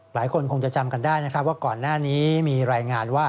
หลายคนคงจะจำกันได้นะครับว่าก่อนหน้านี้มีรายงานว่า